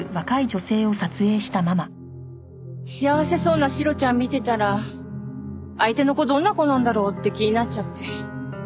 幸せそうなシロちゃん見てたら相手の子どんな子なんだろう？って気になっちゃって。